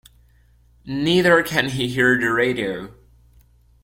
Neither can he hear the radio.